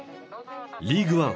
リーグワン